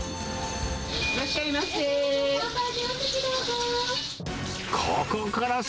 いらっしゃいませ。